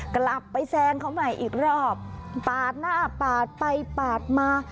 กลับไปแซงเขาใหม่อีกรอบปาดหน้าปาดไปปาดมา